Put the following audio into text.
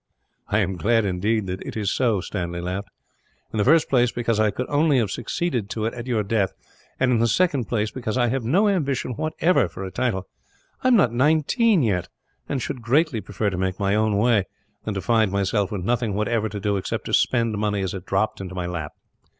"I am glad, indeed, that it is so," Stanley laughed, "in the first place, because I could only have succeeded to it at your death; and in the second place, because I have no ambition, whatever, for a title. I am not nineteen yet, and should greatly prefer to make my own way, than to find myself with nothing whatever to do, except to spend money as it dropped into my lap.